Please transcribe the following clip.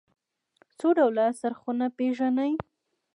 څو ډوله څرخونه پيژنئ.